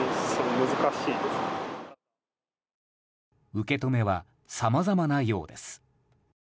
受け止めはさまざまなようです。